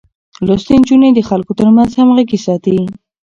لوستې نجونې د خلکو ترمنځ همغږي ساتي.